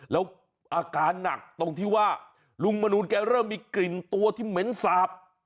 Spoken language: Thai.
แล้วอาการหนักตรงที่ว่าลุงมนูนแกเริ่มมีกลิ่นตัวที่เหม็นสาบ